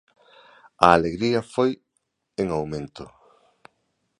A alegría foi en aumento.